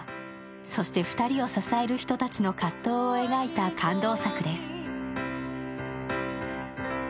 そして２人を支える人たちの葛藤を描いた感動作です。